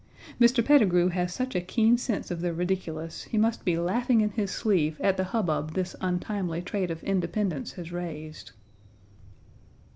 Mr. Petigru has such a keen sense of the ridiculous he must be laughing in his sleeve at the hubbub this untimely trait of independence has raised.